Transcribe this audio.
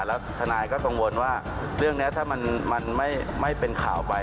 แล้วทนายก็กังวลว่าเรื่องนี้ถ้ามันไม่เป็นข่าวไป